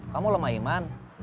kamu lemah iman